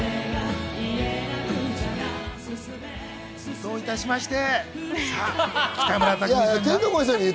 どういたしまして。